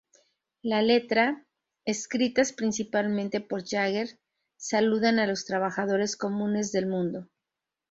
La letra, escritas principalmente por Jagger, saludan a los trabajadores comunes del mundo.